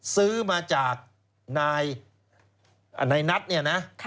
ซื้อมาจากนายนัทเนี่ยนะ